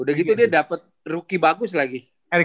udah gitu dia dapet rookie bagus lagi